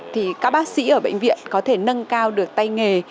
thì các bác sĩ ở bệnh viện có thể nâng cao được tay nghề